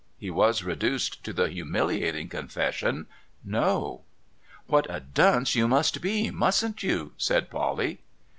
He was reduced to the humiliating confession :' No.' ' What a dunce you must be, mustn't you ?' said Polly.